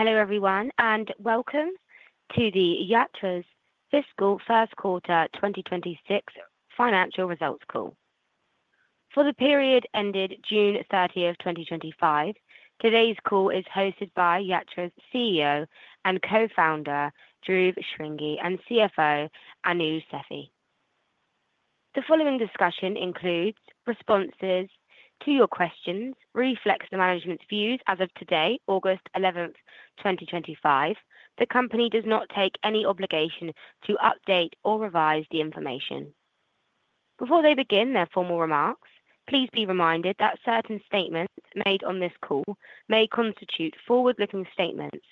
Hello everyone, and welcome to Yatra's Fiscal First Quarter 2026 Financial Results Call for the period ended June 30, 2025. Today's call is hosted by Yatra's CEO and Co-Founder, Dhruv Shringi, and CFO, Anuj Sethi. The following discussion includes responses to your questions and reflects the management's views as of today, August 11, 2025. The company does not take any obligation to update or revise the information. Before they begin their formal remarks, please be reminded that certain statements made on this call may constitute forward-looking statements,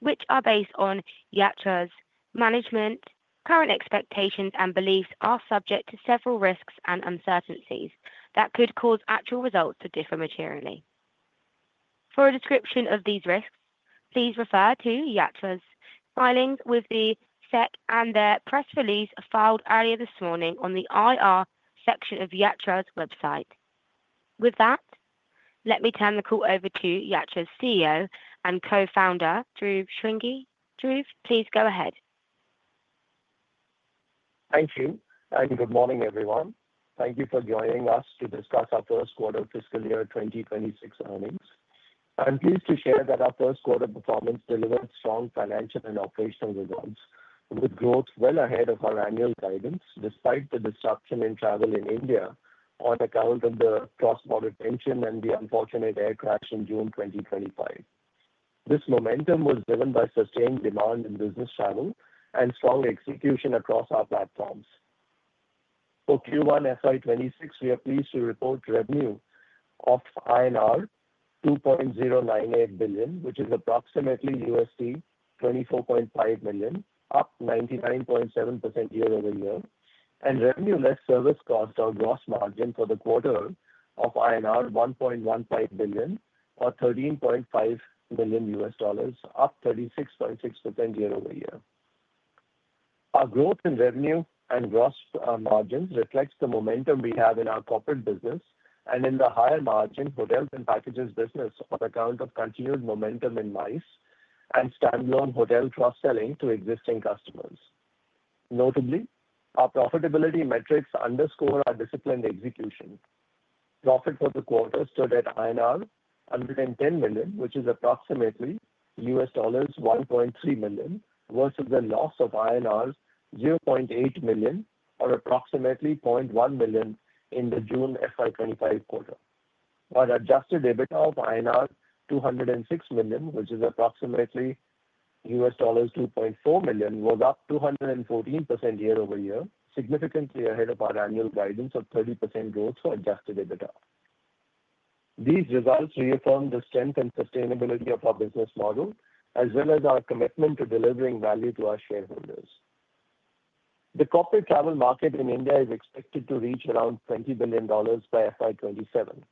which are based on Yatra's management's current expectations and beliefs and are subject to several risks and uncertainties that could cause actual results to differ materially. For a description of these risks, please refer to Yatra's filings with the SEC and their press release filed earlier this morning on the IR section of Yatra's website. With that, let me turn the call over to Yatra's CEO and Co-Founder, Dhruv Shringi. Dhruv, please go ahead. Thank you, and good morning everyone. Thank you for joining us to discuss our First Quarter Fiscal Year 2026 Earnings. I'm pleased to share that our first quarter performance delivered strong financial and operational results, with growth well ahead of our annual guidance, despite the disruption in travel in India on account of the cross-border tension and the unfortunate air crash in June 2025. This momentum was driven by sustained demand in business travel and strong execution across our platforms. For Q1 FY2026, we are pleased to report revenue of INR 2.098 billion, which is approximately $24.5 million, up 99.7% year-over-year, and revenue less service costs, our gross margin for the quarter, of INR 1.15 billion, or $13.5 million, up 36.6% year-over-year. Our growth in revenue and gross margin reflects the momentum we have in our corporate business and in the higher margin Hotels and Packages business, on account of continued momentum in MICE and standalone hotel cross-selling to existing customers. Notably, our profitability metrics underscore our disciplined execution. Profit for the quarter stood at INR 110 million, which is approximately $1.3 million, versus a loss of INR 0.8 million, or approximately $0.1 million in the June FY2025 quarter. Our adjusted EBITDA of INR 206 million, which is approximately $2.4 million, was up 214% year-over-year, significantly ahead of our annual guidance of 30% growth for adjusted EBITDA. These results reaffirm the strength and sustainability of our business model, as well as our commitment to delivering value to our shareholders. The corporate travel market in India is expected to reach around $20 billion by FY2027.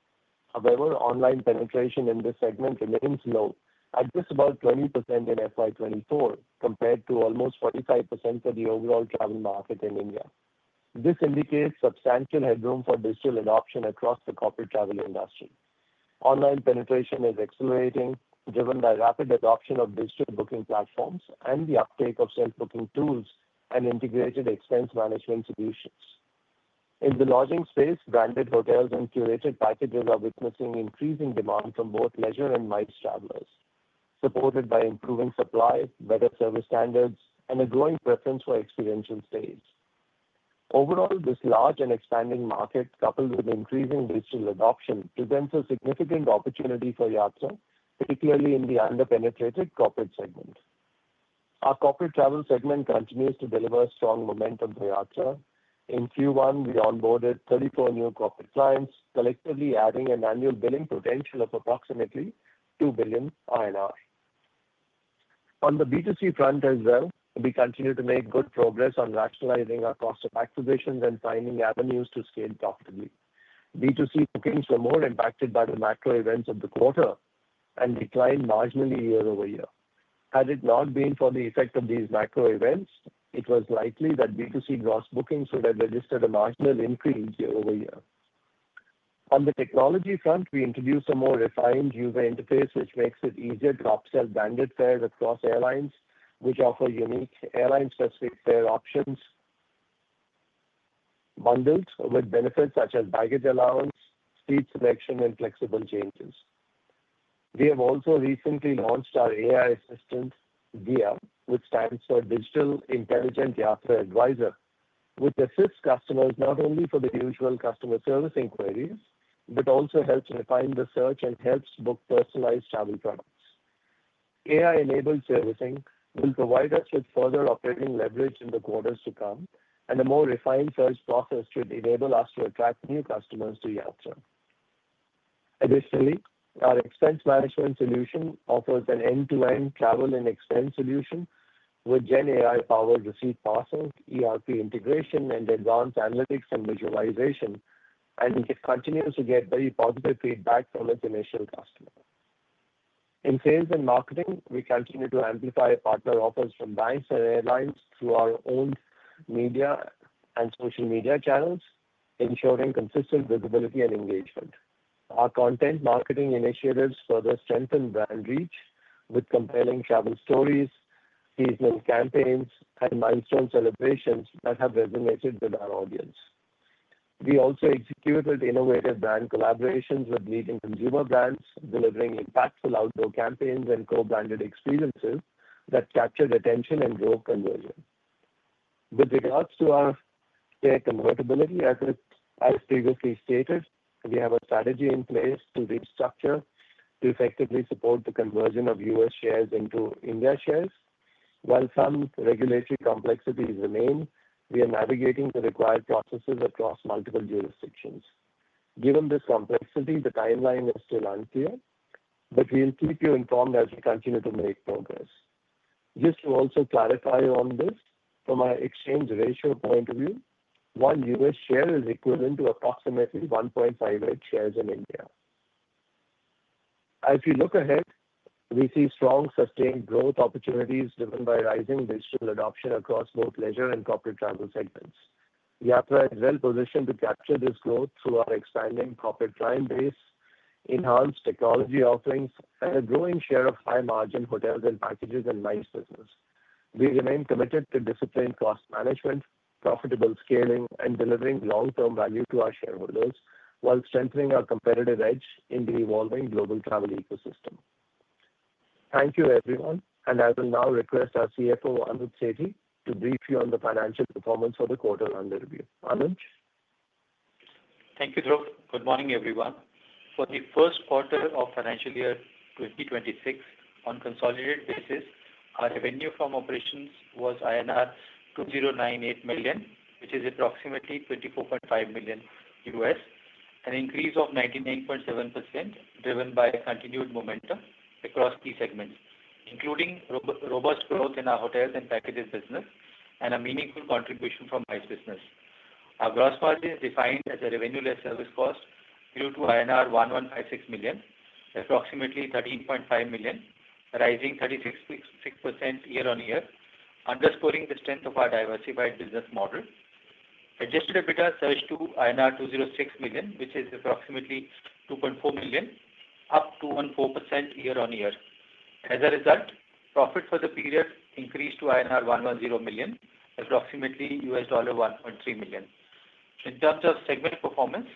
However, online penetration in this segment remains low, at just about 20% in FY2024 compared to almost 45% for the overall travel market in India. This indicates substantial headroom for digital adoption across the corporate travel industry. Online penetration is accelerating, driven by rapid adoption of digital booking platforms and the uptake of self-booking tools and integrated expense management solutions. In the lodging space, branded hotels and curated packages are witnessing increasing demand from both leisure and MICE travelers, supported by improving supply, better service standards, and a growing preference for experiential stays. Overall, this large and expanding market, coupled with increasing digital adoption, presents a significant opportunity for Yatra, particularly in the underpenetrated corporate segment. Our corporate travel segment continues to deliver strong momentum for Yatra. In Q1, we onboarded 34 new corporate clients, collectively adding an annual billing potential of approximately 2 billion INR. On the B2C front as well, we continue to make good progress on rationalizing our cost of acquisitions and finding avenues to scale profitably. B2C bookings were more impacted by the macro events of the quarter and declined marginally year-over-year. Had it not been for the effect of these macro events, it was likely that B2C gross bookings would have registered a marginal increase year-over-year. On the technology front, we introduced a more refined user interface, which makes it easier to upsell branded fares across airlines, which offer unique airline-specific fare options, bundled with benefits such as baggage allowance, seat selection, and flexible changes. We have also recently launched our AI assistant, DIYA, which stands for Digital Intelligent Yatra Advisor, which assists customers not only for their usual customer service inquiries, but also helps refine the search and helps book personalized travel products. AI-enabled servicing will provide us with further operating leverage in the quarters to come, and a more refined search process should enable us to attract new customers to Yatra. Additionally, our expense management solution offers an end-to-end travel and expense solution with GenAI-powered receipt parcel, ERP integration, and advanced analytics and visualization, and it continues to get very positive feedback from its initial customers. In sales and marketing, we continue to amplify partner offers from banks and airlines through our own media and social media channels, ensuring consistent visibility and engagement. Our content marketing initiatives further strengthen brand reach with compelling travel stories, business campaigns, and milestone celebrations that have resonated with our audience. We also executed innovative brand collaborations with leading consumer brands, delivering impactful outdoor campaigns and co-branded experiences that captured attention and drove conversion. With regards to our share convertibility, as previously stated, we have a strategy in place to restructure to effectively support the conversion of U.S. shares into India shares. While some regulatory complexities remain, we are navigating the required processes across multiple jurisdictions. Given this complexity, the timeline is still unclear, but we'll keep you informed as we continue to make progress. Just to also clarify on this, from our exchange ratio point of view, one U.S. share is equivalent to approximately 1.58 shares in India. As we look ahead, we see strong sustained growth opportunities driven by rising digital adoption across both leisure and corporate travel segments. Yatra is well positioned to capture this growth through our expanding corporate client base, enhanced technology offerings, and a growing share of high-margin Hotels and Packages and MICE business. We remain committed to disciplined cost management, profitable scaling, and delivering long-term value to our shareholders while strengthening our competitive edge in the evolving global travel ecosystem. Thank you, everyone, and I will now request our CFO, Anuj Sethi, to brief you on the financial performance for the quarter under review. Anuj. Thank you, Dhruv. Good morning everyone. For the first quarter of financial year 2026, on a consolidated basis, our revenue from operations was INR 2,098 million, which is approximately $24.5 million, an increase of 99.7% driven by continued momentum across key segments, including robust growth in our Hotels and Packages business and a meaningful contribution from MICE business. Our gross margin, defined as revenue less service cost, grew to INR 1,560 million, approximately $13.5 million, rising 36% year-on-year, underscoring the strength of our diversified business model. Adjusted EBITDA surged to INR 206 million, which is approximately $2.4 million, up 2.4% year-on-year. As a result, profit for the period increased to INR 110 million, approximately $1.3 million. In terms of segment performance,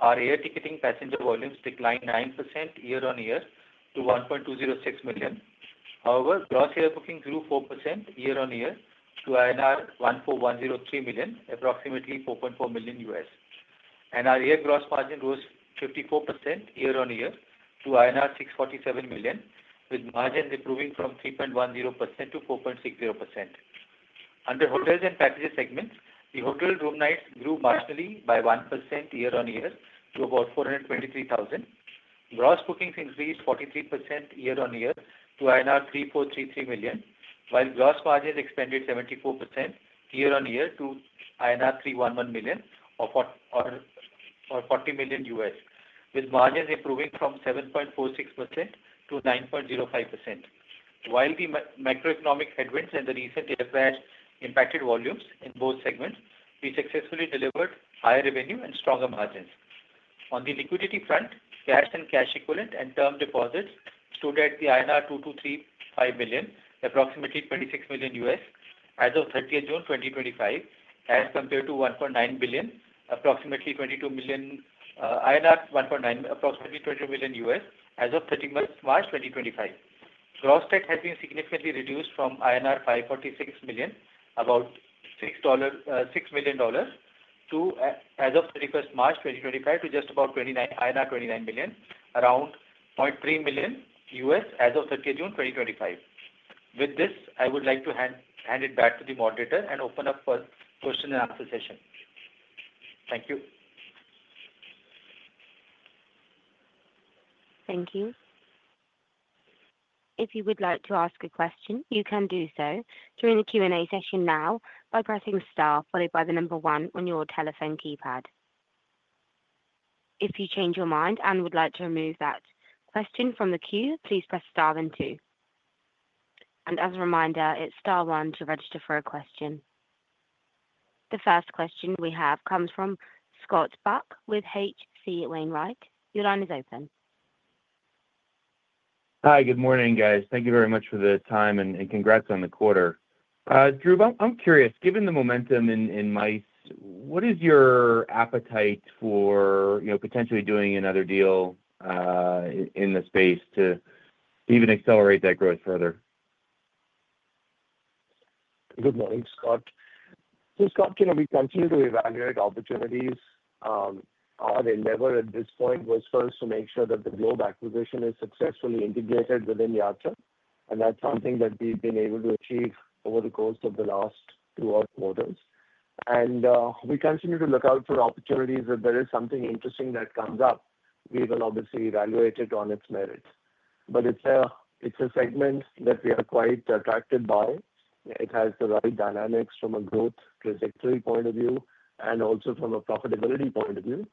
our Air Ticketing passenger volumes declined 9% year-on-year to $1.206 million. However, gross air bookings grew 4% year-on-year to INR 1,103 million, approximately $4.4 million, and our year gross margin rose 54% year-on-year to INR 647 million, with margins improving from 3.10% to 4.60%. Under Hotels and Packages segments, the hotel room nights grew marginally by 1% year-on-year to about 423,000. Gross bookings increased 43% year-on-year to INR 3,330 million, while gross margins expanded 74% year-on-year to INR 3,110 million or $40 million, with margins improving from 7.46% to 9.05%. While the macroeconomic headwinds and the recent air crash in India impacted volumes in both segments, we successfully delivered higher revenue and stronger margins. On the liquidity front, cash and cash equivalents and term deposits stood at INR 2,250 million, approximately $26 million, as of 30th June 2025, as compared to 1,900 million, approximately $22 million, as of 31st March 2025. Gross tax has been significantly reduced from INR 546 million, about $6 million, as of 31st March 2025, to just about 29 million, around $0.3 million, as of 30th June 2025. With this, I would like to hand it back to the moderator and open up for the question-and-answer session. Thank you. Thank you. If you would like to ask a question, you can do so through the Q&A session now by pressing star, followed by the number one on your telephone keypad. If you change your mind and would like to remove that question from the queue, please press star one. As a reminder, it's star one to register for a question. The first question we have comes from Scott Buck with H.C. Wainwright. Your line is open. Hi, good morning guys. Thank you very much for the time and congrats on the quarter. Dhruv, I'm curious, given the momentum in MICE, what is your appetite for potentially doing another deal in the space to even accelerate that growth further? Good morning, Scott. Hey, Scott, you know, we continue to evaluate opportunities. Our endeavor at this point was first to make sure that the Globe acquisition is successfully integrated within Yatra, and that's something that we've been able to achieve over the course of the last two quarters. We continue to look out for opportunities. If there is something interesting that comes up, we will obviously evaluate it on its merits. It's a segment that we are quite attracted by. It has the right dynamics from a growth trajectory point of view and also from a profitability point of view.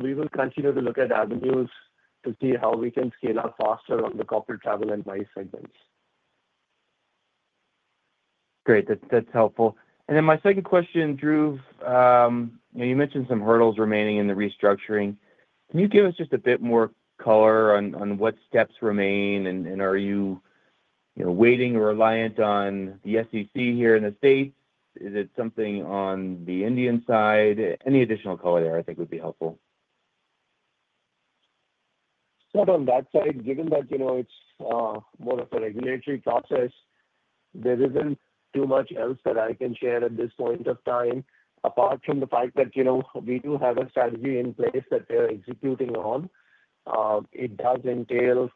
We will continue to look at avenues to see how we can scale up faster on the corporate travel and MICE segments. Great, that's helpful. My second question, Dhruv, you mentioned some hurdles remaining in the restructuring. Can you give us just a bit more color on what steps remain and are you waiting or reliant on the SEC here in the States? Is it something on the Indian side? Any additional color there I think would be helpful. Not on that side, given that, you know, it's more of a regulatory process, there isn't too much else that I can share at this point of time. Apart from the fact that, you know, we do have a strategy in place that we're executing on. It does entail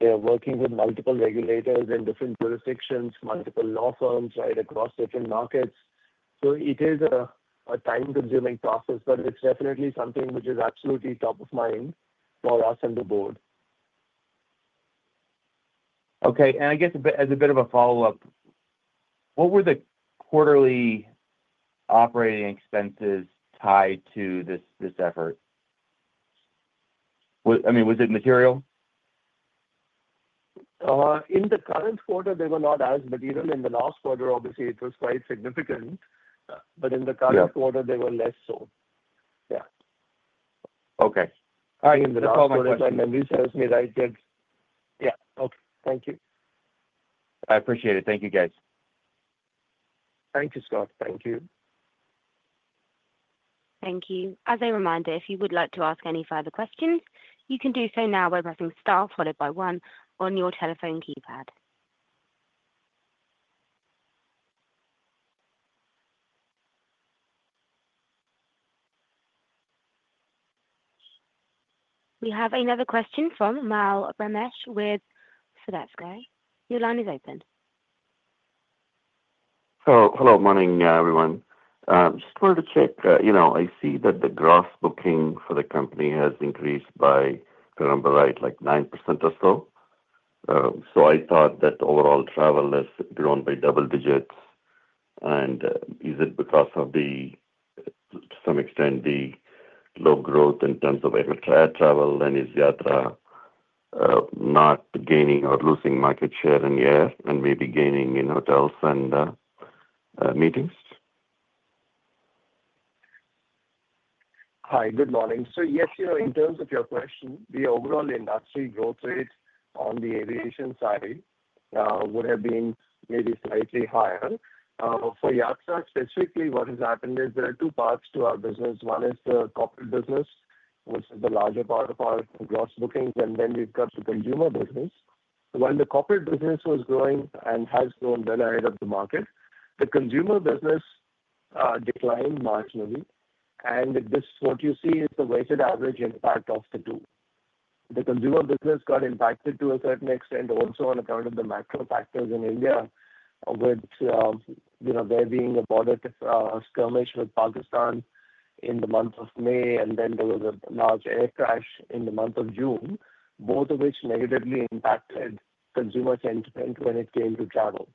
working with multiple regulators in different jurisdictions, multiple law firms, right across different markets. It is a time-consuming process, but it's definitely something which is absolutely top of mind for us and the board. Okay. I guess as a bit of a follow-up, what were the quarterly operating expenses tied to this effort? I mean, was it material? In the current quarter, they were not as material. In the last quarter, it was quite significant. In the current quarter, they were less so. Yeah. Okay. The recording memory tells me right next. Yeah. Okay. Thank you. I appreciate it. Thank you, guys. Thank you, Scott. Thank you. Thank you. As a reminder, if you would like to ask any further questions, you can do so now by pressing star, followed by one on your telephone keypad. We have another question from Mal Ramesh with Studesky. Your line is open. Hello. Morning, everyone. I just wanted to check, you know, I see that the gross booking for the company has increased by, if I remember right, like 9% or so. I thought that overall travel has grown by double digits. Is it because of, to some extent, the low growth in terms of air travel? Is Yatra not gaining or losing market share in the air and maybe gaining in hotels and meetings? Hi, good morning. Yes, you know, in terms of your question, the overall industry growth rate on the aviation side would have been maybe slightly higher. For Yatra specifically, what has happened is there are two parts to our business. One is the corporate business, which is the larger part of our gross bookings, and then we've got the consumer business. While the corporate business was growing and has grown well ahead of the market, the consumer business declined marginally. This is what you see as the weighted average impact of the two. The consumer business got impacted to a certain extent also on account of the macro factors in India, with there being a political skirmish with Pakistan in the month of May, and then there was a large air crash in the month of June, both of which negatively impacted consumer sentiment when it came to travel.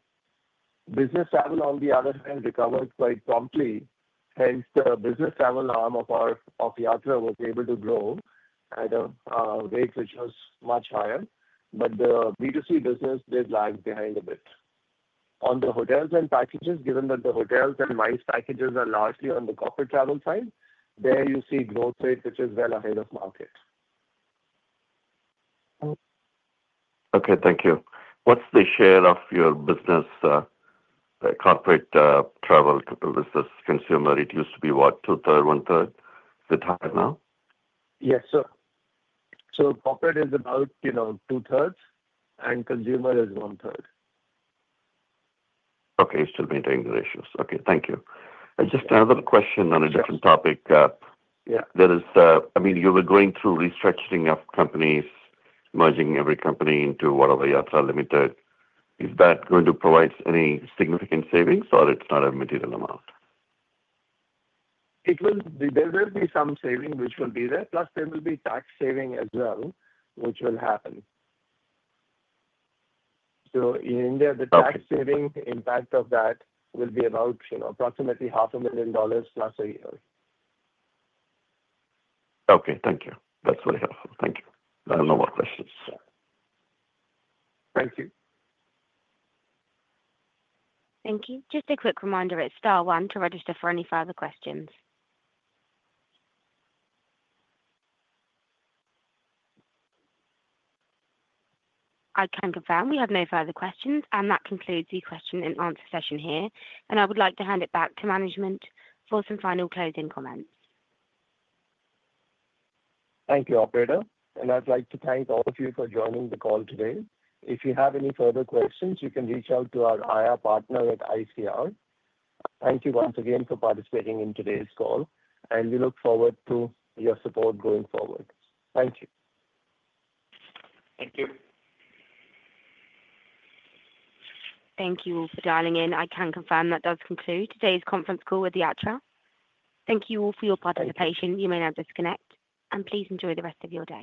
Business travel, on the other hand, recovered quite promptly. Hence, the business travel arm of Yatra was able to grow at a rate which was much higher. The B2C business did lag behind a bit. On the hotels and packages, given that the hotels and MICE packages are largely on the corporate travel side, there you see growth rate which is well ahead of market. Okay, thank you. What's the share of your business, corporate travel business, consumer? It used to be what, two-thirds, 1/3? Is it higher now? Yes, sir. Corporate is about 2/3 and consumer is 1/3. Okay, still maintaining the ratios. Okay, thank you. I just have a question on a different topic. Yeah. You were going through restructuring of companies, merging every company into whatever Yatra Limited. Is that going to provide any significant savings or it's not a material amount? There will be some saving which will be there. Plus, there will be tax saving as well, which will happen. In India, the tax saving impact of that will be about, you know, approximately $0.5 million+ a year. Okay, thank you. That's very helpful. Thank you. I have no more questions. Thank you. Thank you. Just a quick reminder at star one to register for any further questions. I can confirm we have no further questions, and that concludes the question-and-answer session. I would like to hand it back to management for some final closing comments. Thank you, operator. I'd like to thank all of you for joining the call today. If you have any further questions, you can reach out to our IR partner at ICR. Thank you once again for participating in today's call, and we look forward to your support going forward. Thank you. Thank you for dialing in. I can confirm that does conclude today's conference call with Yatra. Thank you all for your participation. You may now disconnect, and please enjoy the rest of your day.